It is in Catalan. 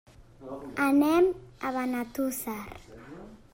Anem a Benetússer.